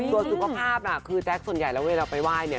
ส่วนสุขภาพน่ะคือแจ๊คส่วนใหญ่แล้วเวลาไปไหว้เนี่ย